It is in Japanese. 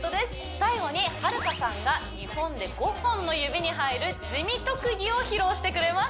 最後にはるかさんが日本で５本の指に入る地味特技を披露してくれます